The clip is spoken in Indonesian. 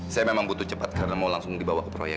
saya memang butuh cepat karena mau langsung dibawa ke proyek